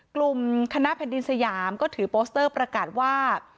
กลุ่มคณะแผ่นดินสยามก็ถือโปสเตอร์ประกาศว่า